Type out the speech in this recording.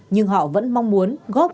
nhưng họ vẫn mong muốn góp